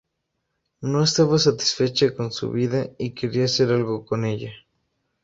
No estaba satisfecha con su vida y quería hacer algo con ella.